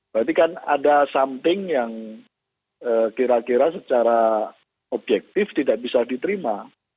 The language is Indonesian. berarti kan ada something yang kira kira secara objektif tidak bisa diterima